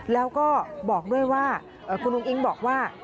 แล้วก็บอกด้วยว่าคุณอุ้งอิ๊งบอกว่า